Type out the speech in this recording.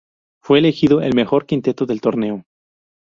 Fue elegido en el mejor quinteto del torneo.